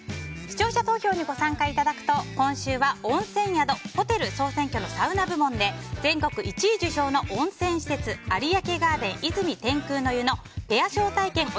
視聴者投票にご参加いただくと今週は温泉宿・ホテル総選挙のサウナ部門で全国１位受賞の温泉施設有明ガーデン泉天空の湯のペア招待券